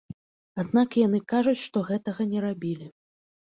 Аднак яны кажуць, што гэтага не рабілі.